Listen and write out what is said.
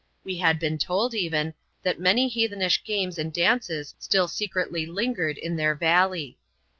We had been told, even, that many heathenish games and dances still secretly lingered in their valley.